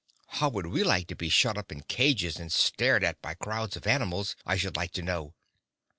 How would we like to be shut up in cages and stared at by crowds of animals, I should like to know?